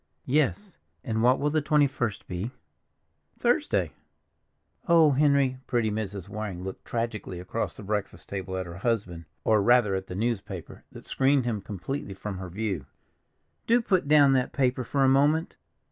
"Yes, and what will the twenty first be?" "Thursday." "Oh, Henry!" Pretty Mrs. Waring looked tragically across the breakfast table at her husband, or rather at the newspaper that screened him completely from her view. "Do put down that paper for a moment.